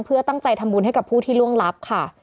เพื่อตั้งใจทำบุญให้กับผู้ที่ล่วงลับค่ะ